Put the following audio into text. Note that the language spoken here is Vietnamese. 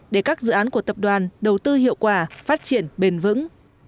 để các dự án của tập đoàn đầu tư hiệu quả phát triển bền vững